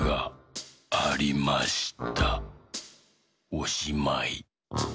おしまい。